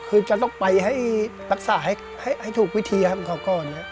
คือจะต้องไปให้รักษาให้ถูกวิธีของเขาก่อน